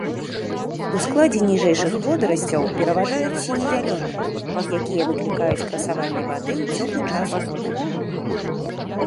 У складзе ніжэйшых водарасцяў пераважаюць сіне-зялёныя, якія выклікаюць красаванне вады ў цёплы час года.